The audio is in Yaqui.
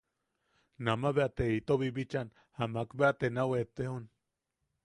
Nama bea te ito bibichan, Amak bea te nau eʼetejon.